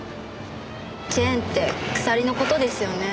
チェーンって鎖の事ですよね。